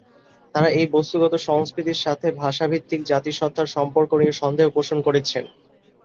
তারা এই বস্তুগত সংস্কৃতির সাথে ভাষাভিত্তিক জাতিসত্তার সম্পর্ক নিয়ে সন্দেহ পোষণ করেছেন।